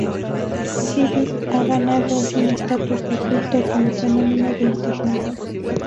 Xzibit ha ganado un estatus de culto como fenómeno de Internet.